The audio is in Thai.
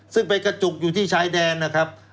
ซึ่งไปกระจุกอยู่ที่ชายแดนนะครับ